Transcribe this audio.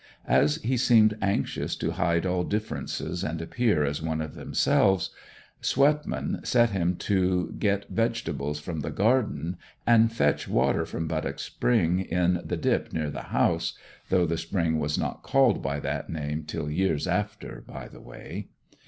As he seemed anxious to hide all differences and appear as one of themselves, Swetman set him to get vegetables from the garden and fetch water from Buttock's Spring in the dip near the house (though the spring was not called by that name till years after, by the way).